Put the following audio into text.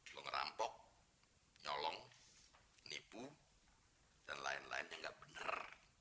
lo ngerampok nyolong nipu dan lain lain yang nggak benar